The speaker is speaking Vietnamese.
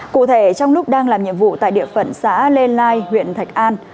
cụ thể trong lúc đang làm nhiệm vụ tại địa phận xã lê lai huyện thạch an